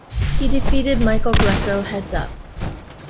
He defeated Michael Greco heads-up.